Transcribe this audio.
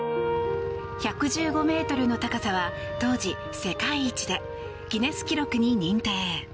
１１５ｍの高さは当時、世界一でギネス記録に認定。